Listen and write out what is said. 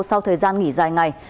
sau thời gian nghỉ dài ngày